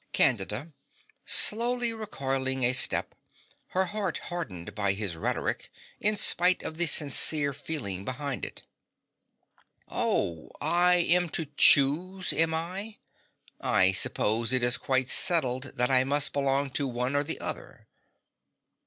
CANDIDA (slowly recoiling a step, her heart hardened by his rhetoric in spite of the sincere feeling behind it). Oh! I am to choose, am I? I suppose it is quite settled that I must belong to one or the other.